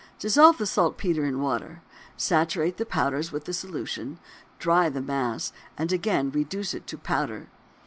Dissolve the saltpetre in water, saturate the powders with the solution, dry the mass, and again reduce it to powder.